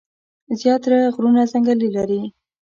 زيات تره غرونه ځنګلې لري ـ